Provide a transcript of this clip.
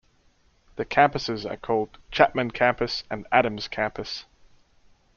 The campuses are called Chapman Campus and Adams Campus.